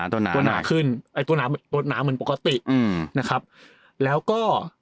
ตระหนาตระหนาขึ้นตัวหนาตัวหนามันมันปกติอืมนะครับแล้วก็